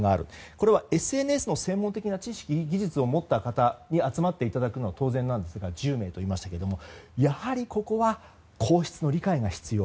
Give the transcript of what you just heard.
これはＳＮＳの専門的な知識や技術を持った方に集まっていただくのは当然なんですが１０名と言いましたがやはりここは皇室の理解が必要。